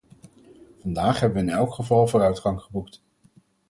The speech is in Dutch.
Vandaag hebben we in elk geval vooruitgang geboekt.